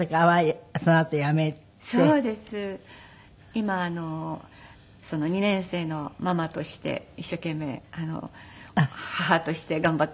今２年生のママとして一生懸命母として頑張っています。